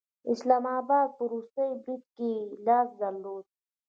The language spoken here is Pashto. د اسلام آباد په وروستي برید کې یې لاس درلود